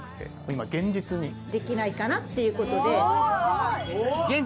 できないかなっていうことで。